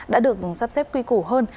đã được sắp xếp quy củ hơn